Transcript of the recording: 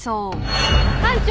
班長！